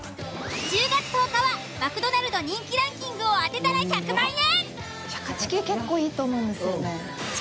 １０月１０日は「マクドナルド」人気ランキングを当てたら１００万円。